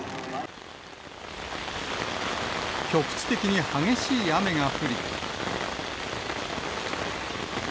局地的に激しい雨が降り。